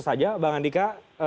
saja bang andika